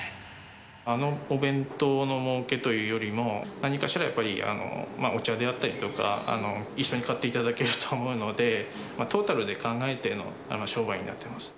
あのお弁当のもうけというよりも、何かしら、お茶であったりとか、一緒に買っていただけると思うので、トータルで考えての商売になってます。